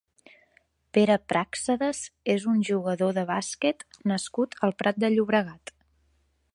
Pere Práxedes és un jugador de bàsquet nascut al Prat de Llobregat.